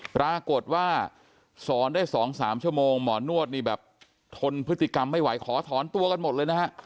ปรากฏว่าสอนได้๒๓ชั่วโมงหมอนวดนี่แบบทนพฤติกรรมไม่ไหวขอถอนตัวกันหมดเลยนะฮะ